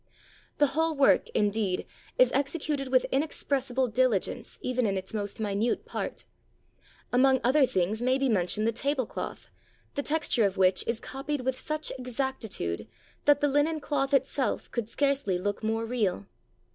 The whole work, indeed, is executed with inexpressible diligence even in its most minute part; among other things may be mentioned the table cloth, the texture of which is copied with such exactitude, that the linen cloth itself could scarcely look more real.